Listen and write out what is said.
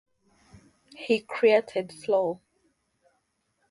He created flow.